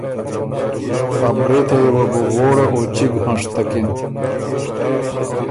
ا برېتئ یه وه بو غوړه او چِګ هنشتکِن۔